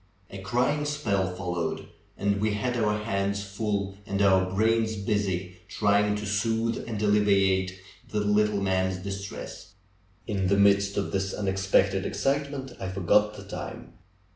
A crying spell followed, and we had our hands full and our brains bus}" trying to soothe and alleviate the little man's distress. In the midst of this unexpected excitement I forgot the time.